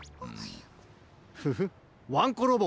フフッワンコロボ